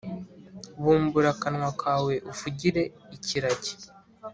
Bumbura akanwa kawe uvugire ikiragi